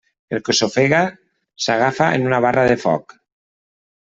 El que s'ofega s'agafa en una barra de foc.